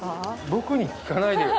僕に聞かないでよ。